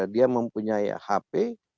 dia mempunyai hp